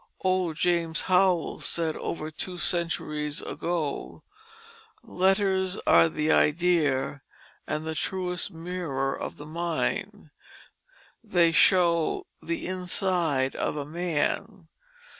Old James Howell said over two centuries ago: "Letters are the Idea and the truest Miror of the Mind; they shew the Inside of a Man."